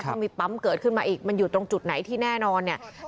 ถ้ามีปั๊มเกิดขึ้นมาอีกมันอยู่ตรงจุดไหนที่แน่นอนเนี่ย